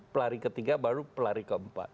pelari ketiga baru pelari keempat